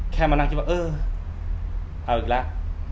มานั่งคิดว่าเออเอาอีกแล้ว